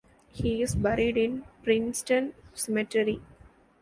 He is buried in Princeton Cemetery.